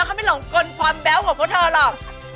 เขาไม่หลงกลความแบ๊วของพวกเธอหรอก